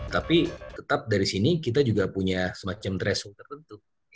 tapi tetap dari sini kita juga punya semacam threshold tertentu